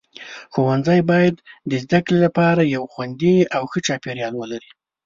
ښوونځي باید د زده کړې لپاره یو خوندي او ښه چاپیریال ولري.